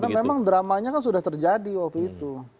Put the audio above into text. karena memang dramanya kan sudah terjadi waktu itu